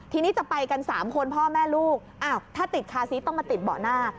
ทีนี้จะไปกัน๓คนพ่อแม่ลูกถ้าติดคาซีสต้องมาติดเบาะหน้า